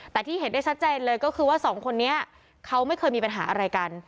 แต่ที่เห็นได้ชัดเจนเลยก็คือว่าสองคนนี้เขาไม่เคยมีปัญหาอะไรกัน